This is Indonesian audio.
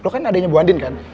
lo kan adanya bu andin kan